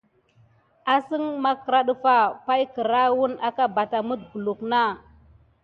Əsseŋ makra ɗəfa pay nis kiraya wuna aka banamite kulu nani.